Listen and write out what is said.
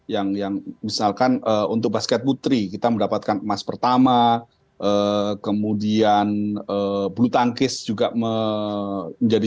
yang yang misalkan untuk basket putri kita mendapatkan emas pertama kemudian bulu tangkis juga menjadi